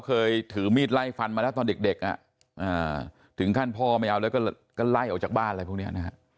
เคยถือมีดไล่ฟันมาแล้วตอนเด็กถึงขั้นพ่อไม่เอาแล้วก็ไล่ออกจากบ้านอะไรพวกนี้นะฮะ